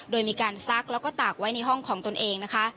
โดยมีการซักแล้วก็ตากไว้ในห้องของตนเองนะคะ